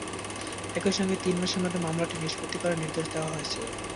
একই সঙ্গে তিন মাসের মধ্যে মামলাটি নিষ্পত্তি করার নির্দেশ দেওয়া হয়েছে।